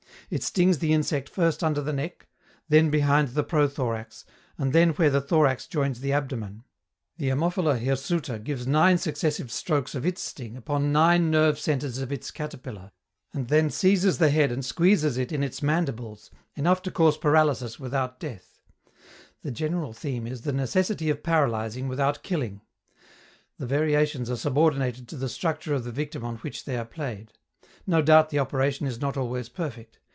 It stings the insect first under the neck, then behind the prothorax, and then where the thorax joins the abdomen. The Ammophila Hirsuta gives nine successive strokes of its sting upon nine nerve centres of its caterpillar, and then seizes the head and squeezes it in its mandibles, enough to cause paralysis without death. The general theme is "the necessity of paralyzing without killing"; the variations are subordinated to the structure of the victim on which they are played. No doubt the operation is not always perfect.